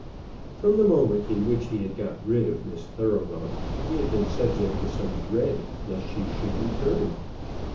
From the moment in which he had got rid of Miss Thoroughbung he had been subject to some dread lest she should return.